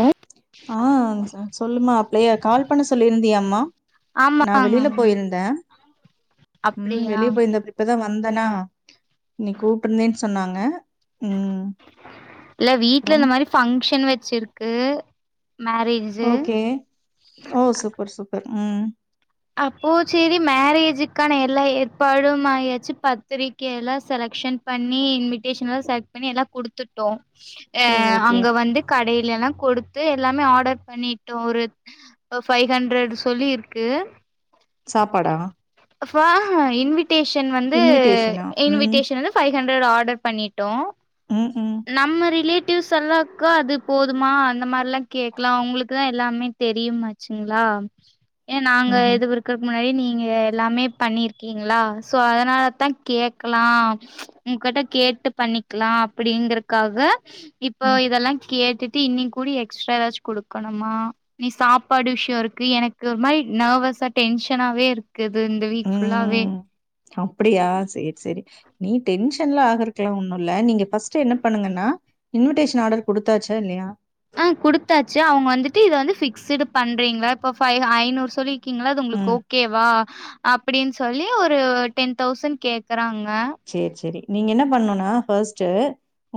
ஓ ஆஹ் சொ சொல்லுமா லேயா கால் பண்ண சொல்லியிருந்தியாமா நா ஆமாங்க வெளில மேம் போயிருந்த உம் அப்டியா வெளிய போயிருந்த இப்பதா வந்தனா நீ கூப்பிட்டுருந்தனு சொன்னாங்க ம் அப்றோ ச்சிருக்கு ஓகே ஓ சூப்பர் சூப்பர் உம் அப்போ சேரி மேரேஜுக்கான எல்லா ஏற்பாடும் ஆயாச்சு பத்திரிக்கைய எல்லா செலக்ஷன் பண்ணி இன்விடேஷன் எல்லா செலக்ட் பண்ணி எல்லா குடுத்துட்டோ சோ அஹ் ஓகே அங்க வந்து கடை இல்லைனா குடுத்து எல்லாமே ஆர்டர் பண்ணிட்டோ ஒரு ஃபைவ் ஹண்ட்ரட் சொல்லி இருக்கு சாப்பாடா ஃப்ப ஹா எங் வீட் டேஷன் வந்து இன்விடேஷனா ம் இன்விடேஷன் வந்து பை ஹண்டர் ஆர்டர் பண்ணி டௌ ம் ம் நம்ம ரிலேட் யூஸ்வலாகா அது போதுமா அந்த மாரில்லா கேட்கலா உங்களுக்குதா எல்லாமே தெரியுமாச்சுங்களா ஏ நாங்க ம்ஹும் முன்னாடி நீங்க எல்லாமே பண்ணிருக்கீங்களா. சோ அதனாலதா கேக்கலா உங்ககிட்ட கேட்டு பண்ணிக்கலா அப்டிங்கறக்காக இப்போ ம் இதெல்லாம் கேட்டுட் தி இன்னியங் கூலி எக்ஸ்ட்ரா ஏதாச்சும் குடுக்கணுமா நீ சாப்பாடு விஷயோ இருக்கு. எனக்கு ஒரு மாரி நார்வசா டென்ஷனாவே இருக் உம் அப்டியா சேரி சேரி நீ டென்ஷன்லா ஆகர்க்கு ஒன்னும் இல்ல. நீங்க ஃபர்ஸ்ட்ட் என்ன பண்ணுங்கன்னா இன்விடேஷன் ஆர்டர் குடுத்தாச்சா இல்லையா ஆஹ் குடுத்தாச்சு அவுங்க வந்துட்டு இத வந்து பிக்ஸ்டு பண்றீங்களா இப்ப ஃப்ய் ஐநூறு சொல்லி இருக்கீங்களா. அது ம் உங்களுக்கு ஓகேவா ஷ அப்டின்னு சொல்லி ஒரு டென் தௌசண்ட் கேக்குறாங்க. செர் செரி நீங்க என்ன பண்ணோன்னா ஃபர்ஸ்ட்டு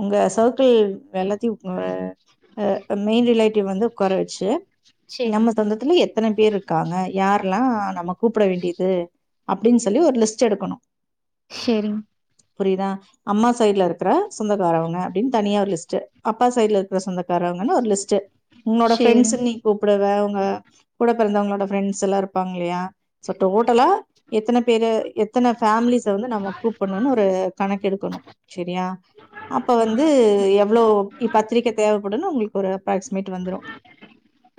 உங்க சர்க்கள் எல்லாத்தையு [unintelligible] உங்க மெயின் ரிலேட்டிவ் வந்து ஒக்கார வெச்சி நம்ம சரிங். சொந்தத்துல எத்தன பேர் இருக்காங்க. யார் ல்லா நம்ம கூப்புட வேண்டியது. அப்டின்னு சொல்லி ஒரு லிஸ்ட் எடுக்கணு சேரிங்க புரியுதா அம்மா சைடுல இருக்குற சொந்தக்காரவங்க. அப்டின்னு தனியா ஒரு லஸ்ட் அப்பா சைடு்ல இருக்கற சொந்தக்காரவங்கன்னு ஒரு லிஸ்ட். உங்களோட சரி. ஃப்ரெண்ட்ஸ்கலு கூப் டுவே அவுங்க கூட பிறந்தவங்களோட பிரெண்ட்ஸ் எல்லா இருப்பாங்க இல்லையா சோ டோட் ட்டலா எத்தன பேரு எத்தன ஃபேமிலிஸ் வந்து நம்ம ப்பட்னோன்னு ஒரு கணக்க எடுக்கணு செரியா அப்ப வந்து எவ்ளோ பத்திரிக்க தேவைப்படுன்னு உங்களுக்கு ஒரு அப்ராக்சிமேட் வந்துரு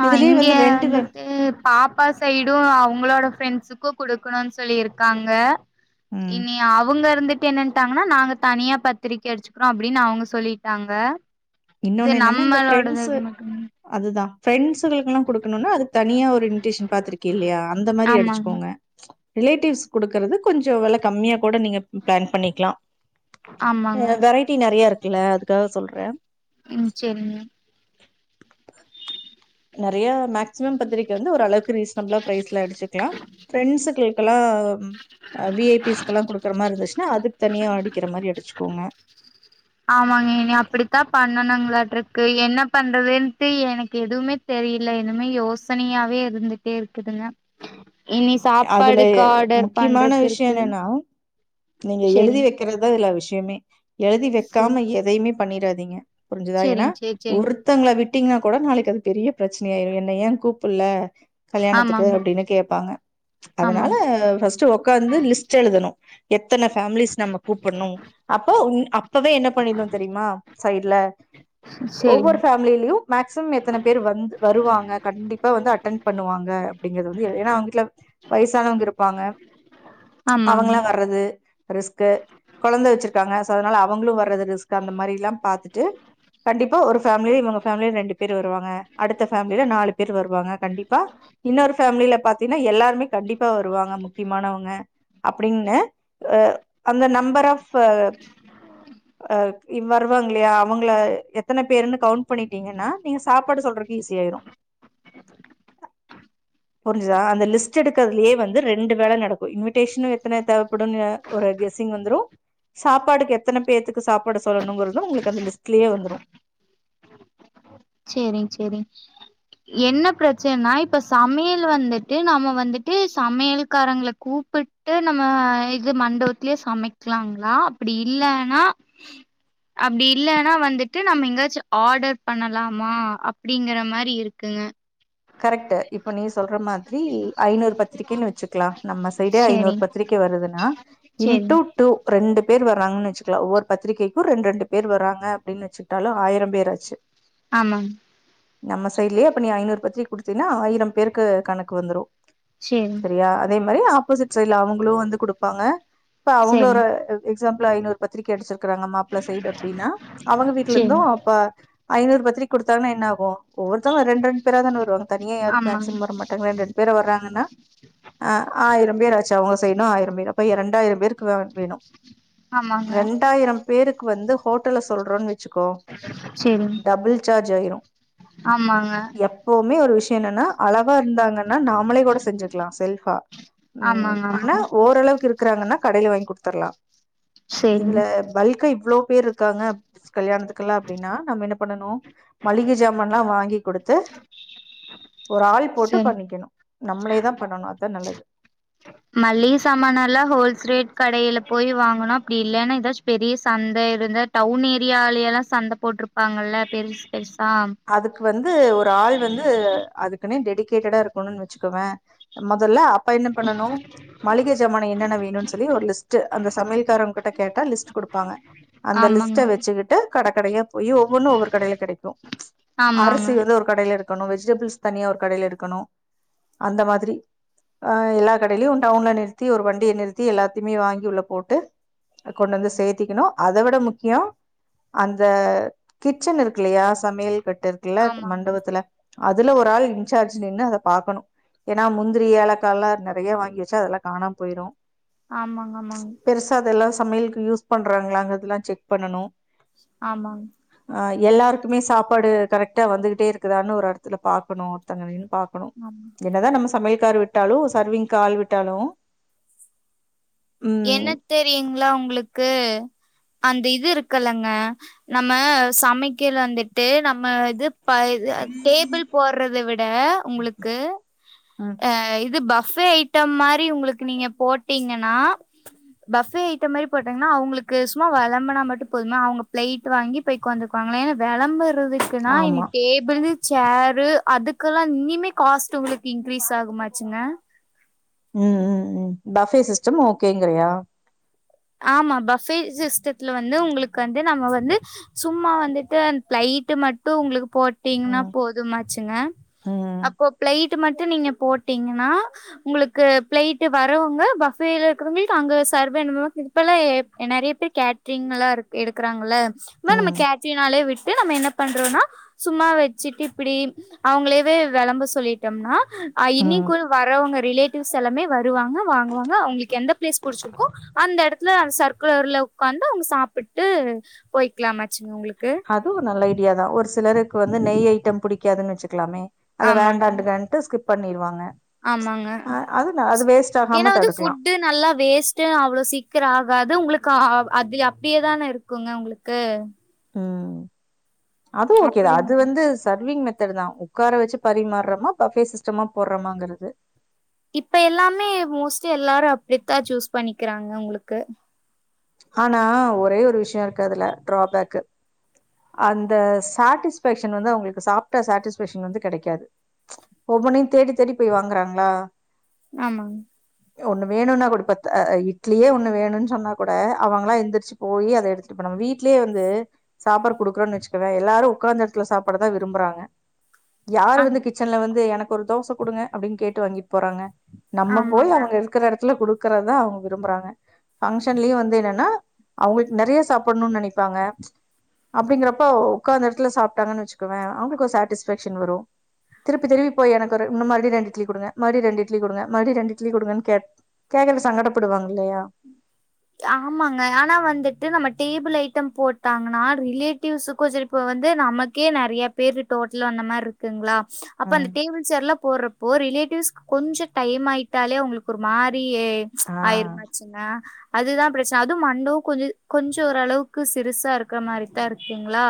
ஆஹ் இதுலயே இங்க வந்து ரெண்டு வ வந்துட்டு பாப்பா சைடு அவுங்களோட ஃப்ரெண்ட்சுக்கும் குடுக்கணும்ன்னு சொல்லி இருக்காங்க. ம் இனி அவுங்க இருந்துட்டு என்னனுட்டாங்கன்னா நாங்க தனியா பத்திரிக்க அடிச்சுக்கிறோ அப்டின்னு அவுங்க சொல்லிட்டாங்க. இது நம்மலோடது ம் அது தா ஃப்ரரெண்ட்ஸ் ங்கலுக்கு எல்லா குடுக்கணும்னா அது தனியா ஒரு இன்விடேஷன் பாத்துருக்கே இல்லையா அந்த மாரி ஆமாங்க, அடிச்சுக்கோங்க. ரிலேட்டிவ்ஸ் குடுக்குறது கொஞ்சோ வெல கம்மியா கூட நீங்க பிளான் பண்ணிக்கலா ஆமாங்க. ஹா வெரைட்டி நெறைய இருக் ட்டில அதுகாக சொல்றே உம் சேரிங்க நெறைய மேக்சிம பத்திரிக்கை வந்து ஒரு அளவுக்கு ரீசனபிளா பிரரைஸ்ல அடிச்சுக்கலா பிரண்ட்ஸ் சர்க்குளுக் கெல்லா அ ம் அ வி ஐ பிஸ் கலாம் கொடுக்கற மாரி இருந்துச்சுா அதுக்கு தனியா அடிக்கிற மாரி அச்ச க்குங்க ஆமாங்க இனி அப்படித்தா பண்ணனுங்களா இருக்கு என்ன பண்றதுன்ட்டு எனக்கு எதுவுமே தெரியல இனுமே யோசனையாவே இருந்துட்டே இருக்குதுங்க இனி அதுல சாப்பாடுக்கு எ ஆர்டர் முக்கியமான பண்றக்கு விஷய இருக்கு என்னன்னா நீங்க எழுதி செரிங் வைக்கறதா இதுல விஷ் ஜமே எழுதி செரி வைக்காம எதையுமே பண்ணிறாதீங்க புரிஞ்சுதா ஏன்னா செரிங் செரி செரிங் ஒருத்தங்கள விட் ட்டிங்கனா கூட நாளைக்கு அது பெரிய பிரச்சனைய ஆயிரு என்ன ஏ கூப்பல கல்யாணத்துக்கு ஆமாங்க அப்படின்னு கேப்பாங்க அதனால ஆமாங் ஃபர்ஸ்ட்டு ஒக்காந்து லிஸ்ட் எழுதணு எத்தனை பேஃபேமிலிஸ் நம்ம கூப்பண்ணு அப்ப ம் அப்பவே என்ன பண்ணிடனு தெரியுமா சைடுல செரிங்க ஒவ்வொரு ஃபேமிலியிலு மேக்சிமம் எத்தனை பேர் வந்து வருவாங்க கண்டிப்பா வந்து அட்டன் பண்ணுவாங்க அப்படிங்கறது வந்து எழு ஏன்னா அவங்கவிட்ல வயசானவங்க இருப்பாங்க ஆமாங்க அவங்கலா வறது ரிஸ்கு கொழந்த வச்சிருக்காங்க சோ அதனால அவங்களு வர்றது ரிஸ்க் அந்த மாரில்லா பாத்தட்டு கண்டிப்பா ஒரு ஃபேமில இவங்க ஃபேமில ரெண்டு பேர் வருவாங்க அடுத்த பேஃபேமில நாலு பேர் வருவாங்க கண்டிப்பா இன்னொரு ஃபேமிலில பாத்தீன்னா எல்லாருமே கண்டிப்பா வருவாங்க முக்கியமானவங்க அப்படின்னு அ அந்த நம்பர் ஆஃப் அ அ இ வருவாங்கல்லையா அவங்கள எத்தன பேருன்னு கவுண்ட் பண்ணிட்டீங்கன்னா நீங்க சாப்பாடு சொல்றக்கு ஈஸி ஆயிரு புரிஞ்சுதா அந்த லிஸ்ட் லிச் எடுக்கதுலயே வந்து ரெண்டு வேல நடக்கு இன்விடேஷனு எத்தன தேவைப்படும்னு ஒரு கெஸ்ஸிங் வந்துரு சாப்பாடுக்கு எத்தனை பேத்துக்கு சாப்பாடு சொல்லணுங்கறத உங்களுக்கு அந்த லிஸ்ட்லயே வந்துரு சேரிங் சேரிங்க என்ன பிரச்சனைனா இப்ப சமையல் வந்துட்டு நம்ம வந்துட்டு சமையல்காரங்களை கூப்பிட்டு நம்ம இது மண்டபத்திலயே சமைக்கலாங்களா அப்டி இல்லன்னா அப்டி இல்லன்னா வந்துட்டு நம்ம எங்காச்சும் ஆர்டர் பண்ணலா மா அப்படிங்கற மாரி இருக்குங்க கரெக்டு இப்ப நீ சொல்ற மாதிரி ஐநூறு பத்திரிகைன்னு வச்சுக்கலா நம்ம சைடே ஐநூறு சேரிங் பத்திரிகை வருதுன்னா சேரிங் இன்ட்டு டூ ரெண்டு பேர் வர்றங்கன்னு வச்சுக்கலா ஒவ்வரு பத்திரிகைக்கு ரெண்டு ரெண்டு பேர்றாங்க அப்படின்னு வச்சுட்டாலும் ஆயிரம் பேராச்சு ஆமாங்க நம்ம சைலே அப்ப நீ ஐநூறு பத்திரிக் குடுத்தீன்னா ஆயிரம் பேருக்கு கணக்கு வந்துரு சேரிங் சரியா அதே மாரி ஆப்போசிட் சைட்ல அவங்களு வந்து குடுப்பாங்க இப்ப சேரி அவங்களோற எக் எக்ஸாம்பிளா ஐநூறு பத்திரிக்க அடிச்சிருக் இருக்காங்க மாப்பிள சைடு அப்டின்னா அவங்க வீட்டுல சேரி இருந்தும் அப்ப ஐநூறு பத்திரிக்க குடுத்தாங்கனா என்ன ஆகும் ஒவ்வொருத்தங்களு ரெண்டு ரெண்டு பேரா தான வருவா தனியா யாரு ஆமாங் மேக்சிமம் வர மாட்டாங்க ரெண்டு டைம் ரெண்டு பேர் வராங்கனா அ ஆயிரம் பேர் ஆச்சு அவங்க சைடும் ஆயிரம் பேர் அப்ப ரெண்டாயிரம் பேருக்கு வேணும் ஆமாங்க ரெண்டாயிரம் பேருக்கு வந்து ஹோட்டல்ல சொல்றோன்னு வச்சு வச்சுக்கோ சேரிங் டபுள் சார்ஜ் ஆயிரும் ஆமாங்க எப்பவுமே ஒரு விஷயம் என்னன்னா அளவா இருந்தாங்கன்ன நாமளே கூட செஞ்சுக்கலாம் செல்பா ம் ஆமாங்க ஆனா ஆமாங்க ஓரளவுக்கு இருக்கு இருக்குறாங்கன்னா கடைல வாங்கி குடுத்துரலாம் சேரிங் இதுல பல்கை இவ்ளோ பேர் இருக்காங்க கல்யணத்துக்கல்லா அப்டின்னா நம்ம என்ன பண்ணனும் மளிக ஜாமான்லா வாங்கி குடுத்து ஒரு ஆள் போட்டு சரி பண்ணிக்கணு நம்மளே தான் பண்ணனு அதான் நல்லது மளிக சாமான எல்லா ஹோல்ஸ் ரேட் கடைல போய் வாங்கணு அப்டி இல்லன்னா ஏதாச்சு பெரிய சந்த இருந்தே டவுன் ஏரியாலய எல்லா சந்த போட்டிருப்பாங்கல்ல பெருசு பெருசு அதுக்கு வந்து ஒரு ஆள் வந்து அதுக்கு டெடிகேட்டடா இருக்கணும்னு வச்சுக்கவேன் முதல்ல அவ அப்ப என்ன பண்ணனும் மளிக ஜமான என்னென்ன வேணும்னு சொல்லி ஒரு லிஸ்ட் அந்த சமையல்கார்கிட்ட கேட்டா லிஸ்ட் குடுப்பாங்க அந்த ஆமாங்க லிஸ்ட்ட வச்சுக்கிட்டு கடக்கடையா போய் ஒவ்வொன்னும் ஒவ்வொரு கடைல கெடைக்கு ஆமாங்க அரிசி வந்து ஒரு கடைல இருக்கு கனு வெஜிடபிள்ஸ் தனியா ஒரு கடைல இருக்கணும் அந்த மாதிரி அஹ் எல்லா கடையிலயும் டவுன்ல நிறுத்தி ஒரு வண்டிய நிறுத்தி எல்லாத்துமே வாங்கி உள்ள போட்டு கொண்டு வந்து சேத்திக்கணும் அதை விட முக்கியம் அந்த கிச்சன் இருக்குல்லையா சமையல் கட் இருக்குல்ல ஆமாங்க மண்டபத்துல அதுல ஒரு ஆள் இன்சார்ஜ் நின்று அத பாக்கணும் ஏன்னா முந்திரி ஏலக்கா எல்லா நிறய வாங்கி வச்சா அதெல்லா காணாம போயிரும் ஆமாங்க ஆமாங்க பெருசா அதெல்லாம் சமையல் யூஸ் பண்றாங்களாங்கிறதெல்லா செக் பண்ணனும் ஆமா ஆ எல்லாருக் குமே சாப்பாடு கரெக்டா வந்துகிட்டே இருக்குதான்னு ஒரு இடத்துல பாக்கணும் ஒருத்தங்க நின்னு பாக்கணும் ஆமா என்னதான் நம்ம சமையல்காரர் விட்டாலும் சர்விங்கு ஆள் விட் டாலும் என்ன தெரியுங்களா உங்களு க்கு அந்த இது இருக்குல்லங்க நம்ம சமைக்கல வந்துட்டு நம்ம இது ப இது டேபிள் போடுறத விட உங்களுக்கு ம் அய் இது பஃபே ஐட்டம் மாரி உங்களுக்கு நீங்க போட்டீங்கன்னா ச்சு பஃபே ஐட்டம் மாரி போட்டீங்கன்னா அவங்களுக்கு சும்மா விளம்புனா மட்டும் போது அவங்க பிளைட் வாங்கி போய் உட்கந்துகுவாங்க ஏன்னா விளம்பு ரதுக்குன்னா இனி ஆமா டேபிள்ளு சேரு அதுக்கெல்லா இனிமே காஸ்ட் உங்களுக்கு இங் இங்கிரீஸ் ஆகுமாச்சுங்க உம் உம் உம் பஃபே சிஸ்டம் ஓகேங்கிறியா ஆமா பஃபே சிஸ்டத்துல வந்து உங்களுக்கு வந்து நம்ம வந்து சும்மா வந்துட்டு பிளைட் மட்டும் உங்களுக்கு போட்டீங்கன்னா ம் போதுமாச்சுங்க ம் அப்போ பிளைட் ட்டு மட்டும் நீங்க போட்டீங்கன்னா உங்களுக்கு பிளைட் வரவங்க பஃபேல இருக்கறவளுக்கு அங்க சவ்வே இப்பெல்லா எப் நெறைய பேர் கேட்டரிங் எல்லா இரு இருக்கறாங்கள நம்ம நம்ம ம் கேட்டரிங்னாலே விட் விட்டு நம்ம என்ன பண்றோம்னா சும்மா வச்சுட்டு இப்படி அவங்களவே விளம்ப சொல்லிட்டோம்னா அஹ் ம் இனிக்குள் வரவங்க ரிலேட்டிவ்ஸ் எல்லாமே வருவாங்க வாங்குவாங்க அவங்களுக்கு எந்த பிளேஸ் புடிச்சிருக்கொ அந்த எடத்துல சர்க்குலர்ல உட்காந்து அவங்க சாப்பிட்டு போய்கலாமாச்சுங்க உங்களுக்கு அதுவும் நல்ல ஐடியா தான் ஒரு சிலருக்கு வந்து நெய் ஐட்டம் பிடிக்காதுன்னு வச்சுக் இருக்கலாமே அத ஆமாங்க வேண்டாண்டு கன்ட்டு ஸ்கிப் பண்ணிருவாங்க ஆமாங்க அ அது ந அது வேஸ்ட் ஏன்னா ஆகாம வந்து தடுக்கலா ஃபுட் நல்லா வேஸ்ட் அவ்ளவு சீக்கிரம் ஆகாது உங்களுக்கு கா அது அப்படியேதானே இருக்குங்க உங்களுக்கு உம் அது ஓகே அப்படி அது வந்து சர்விங் தான் உட்கார வெச்சு பரிமாறுறமா பஃபே சிஸ்டமா போடுறமாங்கிறது இப்ப எல்லாமே மோஸ்ட்லி எல்லாரும் அப்படித்தான் சூஸ் பண்ணிக்கிறாங்க உங்களுக்கு ஆனா ஒரே ஒரு விஷயம் இருக் அதுல டிராபேக் அந்த சாட்டிஸ்பேக்ஷன் வந்து அவங்களுக்கு சாப்பிட்ட சாட்டிஸ்பேக்ஷன் வந்து கெடைக்காது ஒவ்வொனையும் தேடி தேடி போய் வாங்குறாங்களா ஆமாங் ஒண்ணு வேணும்னா கூட இப்ப இட்லியே ஒண்ணு வேணும்ன்னனு சொன்னா கூட அவங்களாம் எழுந்திரிச்சு போய் அத எடுத் போனம் வீட்லேயே வந்து சாப்பாடு கொடுக்குறோம் வச்சுகுவேன் எல்லாரும் உக்கார்ந்து எடத்துல சாப்பாட தான் விரும்புறாங்க அ யார்ரு வந்து கிச்சன்ல வந்து எனக் ஒரு தோச குடுங்க அப்படின் கேட்டு வாங்கிட்டு போறாங்க நம்ம போய் ஆமாங்க அவங்க இருக்கிற இடத்துல குடுக் இருக்கறத்தா அவங்க விரும்புறாங்க பங்க்ஷன்லயே வந்து என்னன்னா அவங்களுக்கு நிறைய சாப்புட்ணுன் நினைப்பாங்க அப்படிங்கறப்ப உக்காந்தெடத்துல சாப்பிட்டாங்கன் வச்சுக்கவே அவங்களுக்கு ஒரு சாட்டிஸ்ஃபேக்ஷன் வரு திருப்பி திருப்பி போய் எனக்கு ஒரு இன்னு மறுபடி ரெண்டு இட்லி குடுங்க மறுபடி ரெண்டு இட்லி குடுங்க மறுபடி ரெண்டு இட்லி குடுங்கன்னு கே கேக்கறக்கு சங்கடப்படுவாங்க இல்லையா ஆமாங்க ஆனா வந்துட்டு நம்ம டேபிள் ஐட்டம் போட்டாங்கன்னா ரிலேட்டிவ்ஸுக்கும் இப்ப வந்து நமக்கே நிறைய பேரு டோட்டல் அந்த மாரி இருக்குங்களா அப்ப அந்த ம் டேபிள் சேர்லா போட்றப் பொ ப்பியே ஆ ஆயிருமாச்சுன்னா அதுதா பிரச்சன அதும்மண்ணூ கொஞ்ச கொஞ்சொ ஓரளவுக்கு சிறுசா இருக்ற மாரித்தா இருக்குங்ளா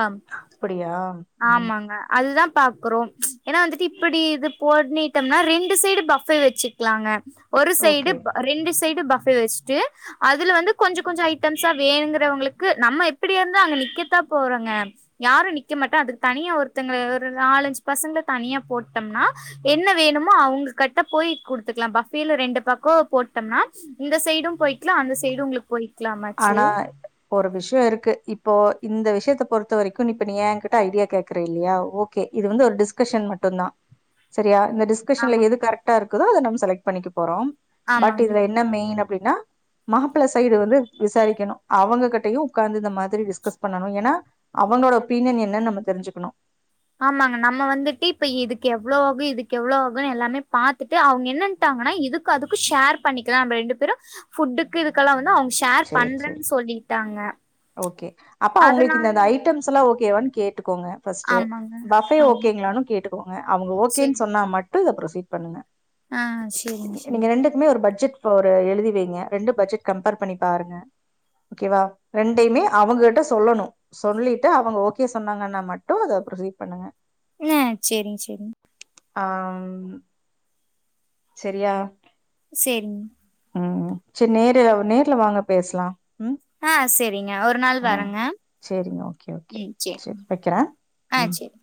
அப்டியா ம் ஆமாங்க அதுதா பாக்குறோம் ஏன்னா வந்துட்டு இப்படி இது போட்னீட்டம்னா ரெண்டு சைடு பஃபே வச்சுக்லாங்க ஒரு ஓகே சைடுப் ரெண்டு சைட் பஃபே வச்ட்டு அதுல வந்து கொஞ்சொ கொஞ்சொ ஐட்டம்சா வேணுங்றவங்களுக்கு நம்ம எப்படியிருந்தா அங்க நிக்கத்தா போறோங்க யாரு க்கெ மட்ட அதுக்கு தனியா ஒருத்தங்க ஒரு நாலஞ்சு பசங்ள தனியா போட்டம்னா என்ன வேணுமோ அவங்க கட்ட போய் குடுத்துக்கலாம் பஃபேல ரெண்டு பக்கோ போட்டம்னா இந்த சைடும் போய்கலாம் அந்த சைடு உங்களுக்கு போய் ஆனா ஒரு விஷயொ இருக்கு இ இப்போ இந்த விஷயத்த பொறுத்த வரைக்கு இப்ப நீ ஏன்கிட்ட ஐடியா கேக்குற இல்லையா ஓகே இது வந்து ஒரு டிஸ்கஷன் மட்டுந்தா சரியா இந்த டிஸ்கஷன்ல ஆமாங் எது கரெக்டாருக் குதோ அத நம்ம செலெக்ட் பண்ணிக்க போறோம் பட் ஆமாங் இதுல என்ன மெயின் அப் ப்டின்னா மாப்ள சைடு வந்து விசாரிக்கணு அவங்க கட்டையு உட்கார்ந்து இந்த மாதிரி டிஸ்கஸ் பண்ணணு ஏனா அவனோட ஒப்பீனியன் என்னன் நம்ம தெரிஞ்சுக்கணு ஆமாங்க நம்ம வந்துட்டு இப்ப இதுக்கு எவ்ளோ ஆகு இதுக்கு எவ்ளோ ஆகுன்னு எல்லாமே பாத்துட்டு அவங்க என்னன்டாங்கனா இதுக்கு அதுக்கு ஷேர் பண்ணிக்கலா நம்ம ரெண்டு பேரு ஃபுட்டுக்கு இதுக்கெல்லாம் வந்து அவங் ஷேர் சேரி பண்றன் சேரி சொல்லிட்டாங்க ஓகே அப்ப அவங்களுக் அதனால இந்தந்த ஐட்டம்ஸ்லா ஓகேவான் ட்டுக்கோங்க ஃபஸ்ட்டே ஆமாங்க. பஃபே ஆமா. ஓகேங்களானு கேட்டுக்கோங்க அவங்க ஓகேன் சரி. சொன்னா மட் டு ப்ரொசீட் பண்ணுங்க ஆ சரிங்க, சரி. நீங்க ரெண்டுக்குமே ஒரு பட்ஜெட் போரு எழுதி வைங்க ரெண்டு பட்ஜெட் கம்பேர் பண்ணி பாருங்க ஓகேவா ரெண்டையுமே அவங்க கிட்ட சொல்லணு சொல்லிட்டு அவங்க ஓகே சொன்னாங்கனா மட்டு அத ப்ரொசீட் பண்ணுங்க ந சேரிங் சேரிங் ஆம் செரியா சேரிங்க உம் செர் நேரு நேர்ல வாங்க பேஸ்லா ம் ஆ செரிங்க ஒரு நாள் ஆ வரங்க சரிங்க ஓகே ஓகே ம் சேர் சரி வைக்கிறே ஆ ம் சேரி